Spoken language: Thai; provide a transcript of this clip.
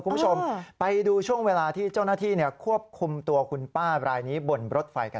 คุณผู้ชมไปดูช่วงเวลาที่เจ้าหน้าที่ควบคุมตัวคุณป้ารายนี้บนรถไฟกัน